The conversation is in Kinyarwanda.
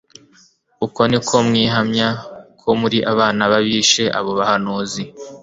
Uko niko mwihamya; ko muri abana b'abishe abo bahanuzi."